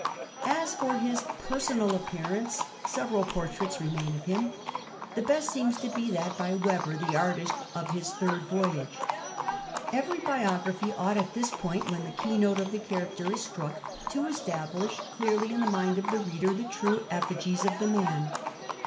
As for liis personal appearance, several portraits remain of him. The best seems to be that by Webber, the artist of his third voyage. Every biography ought, at that point when the keynote of tlie charachjr is stnick, to establish clearly in tlie mind of the reader the true effigies of the man.